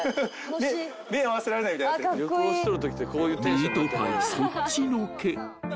［ミートパイそっちのけ］